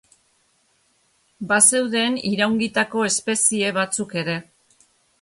Bazeuden iraungitako espezie batzuk ere.